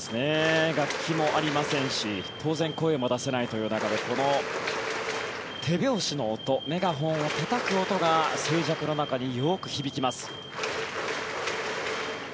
楽器もありませんし当然、声も出せないという中でこの手拍子の音メガホンをたたく音が静寂の中によく響きます。